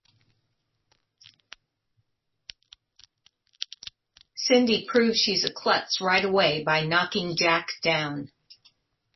Cindy proves she's a klutz right away by knocking Jack down.